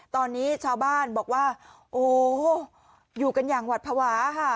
ตอนนี้ชาวบ้านบอกว่าโอ้โหอยู่กันอย่างหวัดภาวะค่ะ